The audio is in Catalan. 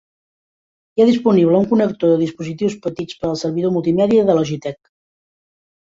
Hi ha disponible un connector de dispositius petits per al servidor multimèdia de Logitech.